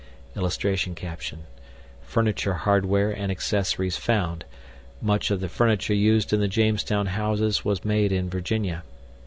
[Illustration: FURNITURE HARDWARE AND ACCESSORIES FOUND. MUCH OF THE FURNITURE USED IN THE JAMESTOWN HOUSES WAS MADE IN VIRGINIA.